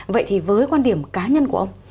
vậy thì với quan điểm cá nhân của ông